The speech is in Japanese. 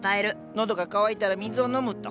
喉が渇いたら水を飲むと。